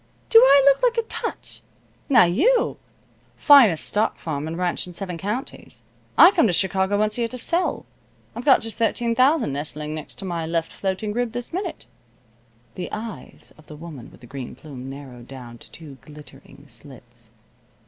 Do I look like a touch? Now you " "Finest stock farm and ranch in seven counties. I come to Chicago once a year to sell. I've got just thirteen thousand nestling next to my left floating rib this minute." The eyes of the woman with the green plume narrowed down to two glittering slits.